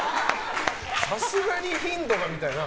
さすがに頻度が、みたいな。